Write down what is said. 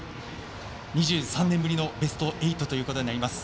２３年ぶりのベスト８ということになります。